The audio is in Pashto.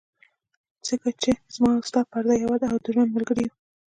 ځکه چې زما او ستا پرده یوه ده، او د ژوند ملګري یو.